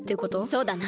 そうだな。